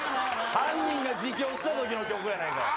犯人が自供したときの曲やないか。